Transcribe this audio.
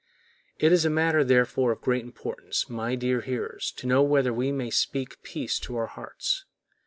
It is a matter, therefore, of great importance, my dear hearers, to know whether we may speak peace to our hearts.